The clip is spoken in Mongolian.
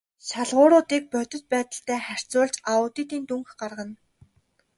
Шалгууруудыг бодит байдалтай харьцуулж аудитын дүнг гаргана.